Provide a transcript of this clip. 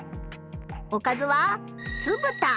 おかずは酢豚。